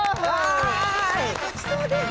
ごちそうです！